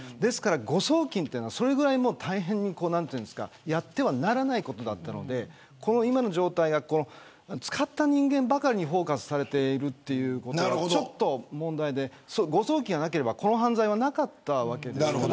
誤送金はそれぐらいやってはならないことだったのでこの今の状態が使った人間ばかりにフォーカスされているというのがちょっと問題で誤送金がなければこの犯罪はなかったわけです。